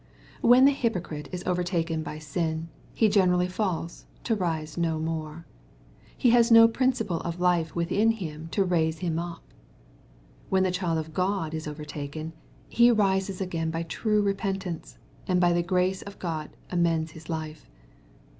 When the hypocrite is overtaken by sin, he generally falls to rise no more. He has no principle of life within him to raise him up. — When the child of God is overtaken, he rises again by true repentance, and by the grace of God amends his life.